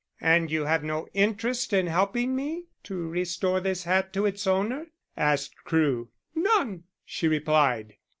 "And you have no interest in helping me to restore this hat to its owner?" asked Crewe. "None," she replied.